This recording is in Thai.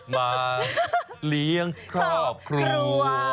มาเลี้ยงครอบครัว